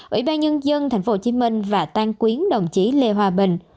ủy ban nhân dân tp hcm và tan quyến đồng chí lê hòa bình